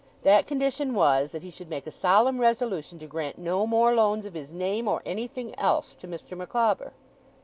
That condition was, that he should make a solemn resolution to grant no more loans of his name, or anything else, to Mr. Micawber.